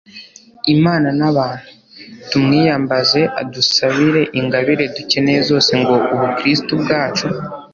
imana n'abantu. tumwiyambaze adusabire ingabire dukeneye zose ngo ubukristu bwacu